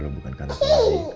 kalau bukan karena pak fauzi